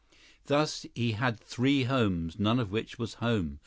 Thus he had three homes—none of which was home.